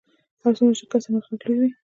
هر څومره چې د کسر مخرج لوی وي